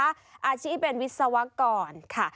อาชีพเป็นวิศวกรค่ะ